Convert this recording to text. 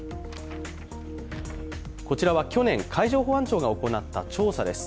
こちらは去年、海上保安庁が行った調査です。